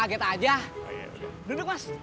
cendolnya kagak cukup ya